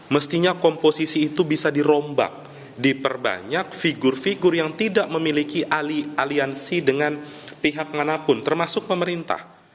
mestinya komposisi itu bisa dirombak diperbanyak figur figur yang tidak memiliki aliansi dengan pihak manapun termasuk pemerintah